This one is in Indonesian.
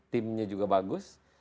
timnya juga bagus